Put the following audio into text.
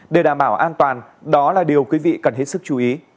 để đảm bảo an toàn đó là điều quý vị cần hết sức chú ý